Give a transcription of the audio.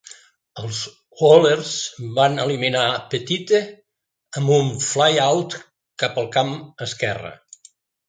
Els Wohlers van eliminar Pettitte amb un flyout cap el camp esquerre.